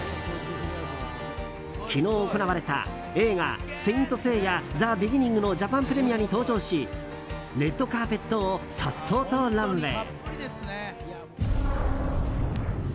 昨日行われた、映画「聖闘士星矢ＴｈｅＢｅｇｉｎｎｉｎｇ」のジャパンプレミアに登場しレッドカーペットを颯爽とランウェー。